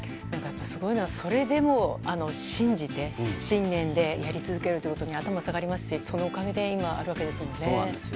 すごいのは、それでも信じて信念でやり続けるということに頭が下がりますしそのおかげで今があるわけですもんね。